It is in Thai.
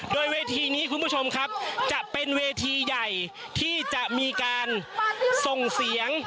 โดยเวทีนี้คุณผู้ชมครับจะเป็นเวทีใหญ่ที่จะมีการส่งเสียง